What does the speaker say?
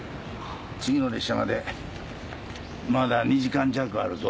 次の列車までまだ２時間弱あるぞ。